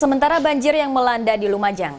sementara banjir yang melanda di lumajang